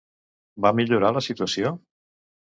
Va millorar la situació?